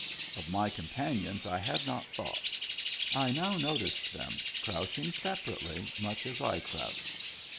Of my companions I had not thought ; I now noticed them, crouching separately, much as I crouched.